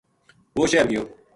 وہ شہر گیو